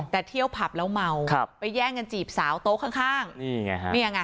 แต่เที่ยวผับแล้วเมาไปแย่งกันจีบสาวโต๊ะข้าง